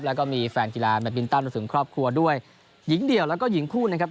แล้วก็มีแฟนกีฬาแมทบินตันรวมถึงครอบครัวด้วยหญิงเดี่ยวแล้วก็หญิงคู่นะครับ